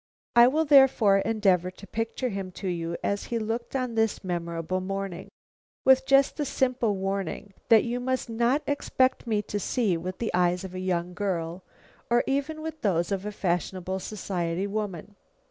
I will therefore endeavor to picture him to you as he looked on this memorable morning, with just the simple warning that you must not expect me to see with the eyes of a young girl or even with those of a fashionable society woman.